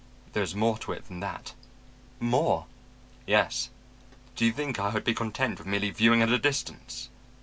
There is more to it than that.' "'More?' "'Yes. Did you think I would be content with merely viewing at a distance?